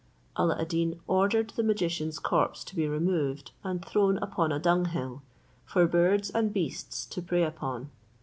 Alla ad Deen ordered the magician's corpse to be removed and thrown upon a dunghill, for birds and beasts to prey upon.